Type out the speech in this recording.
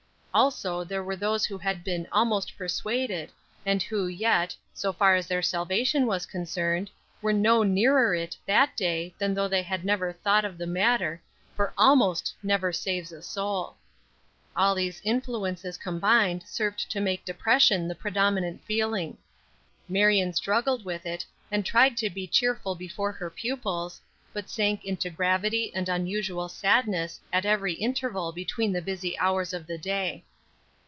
Also there were those who had been almost persuaded, and who yet, so far as their salvation was concerned, were no nearer it that day than though they had never thought of the matter, for almost never saves a soul. All these influences combined served to make depression the predominant feeling. Marion struggled with it, and tried to be cheerful before her pupils, but sank into gravity and unusual sadness at every interval between the busy hours of the day.